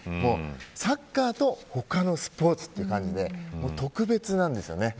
サッカーと他のスポーツという感じで特別なんですよね。